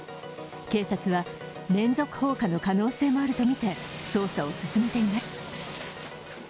警察は、連続放火の可能性もあるとみて捜査を進めています。